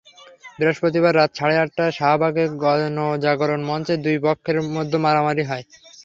বৃহস্পতিবার রাত সাড়ে আটটায় শাহবাগে গণজাগরণ মঞ্চের দুই পক্ষের মধ্যে মারামারি হয়।